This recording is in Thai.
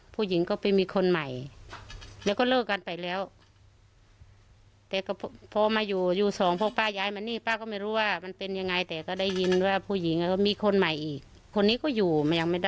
ซึ่งเธอเชื่อว่านายเก้งคงเหลืออดและรับไม่ได้ที่เสียคนรัก